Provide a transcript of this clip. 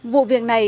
vụ việc này